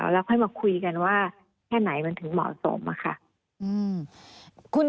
แล้วค่อยมาคุยกันว่าแค่ไหนมันถึงเหมาะสมค่ะ